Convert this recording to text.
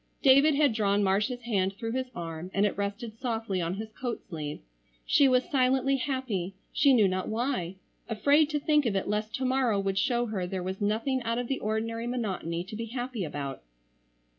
David had drawn Marcia's hand through his arm and it rested softly on his coat sleeve. She was silently happy, she knew not why, afraid to think of it lest to morrow would show her there was nothing out of the ordinary monotony to be happy about.